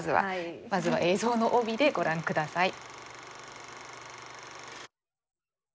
まずは映像の帯でご覧下さい。